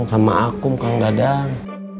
sama akum kang dadang